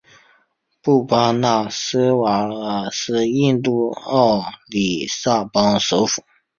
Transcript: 布巴内什瓦尔是印度奥里萨邦首府。